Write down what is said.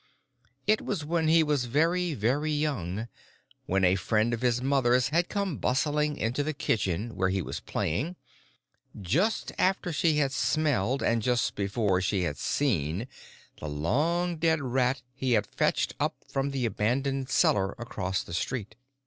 It was when he was very, very young, when a friend of his mother's had come bustling into the kitchen where he was playing, just after she had smelled, and just before she had seen, the long dead rat he had fetched up from the abandoned cellar across the street.